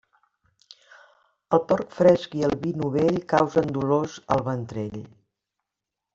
El porc fresc i el vi novell causen dolors al ventrell.